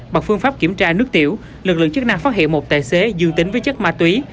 bằng phương pháp kiểm tra nước tiểu lực lượng chức năng phát hiện một tài xế dương tính với chất ma túy